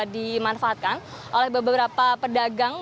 dimanfaatkan oleh beberapa pedagang